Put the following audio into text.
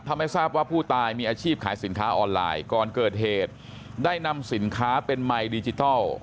ทำให้ทราบว่าผู้ตายมีอาชีพขายสินค้าออนไลน์ก่อนเกิดเหตุได้นำสินค้าเป็นไมค์ดิจิทัล